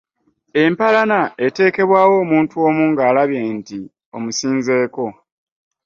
Empalana etekebwawo omuntu omu ngalabye nti omusinzeeko.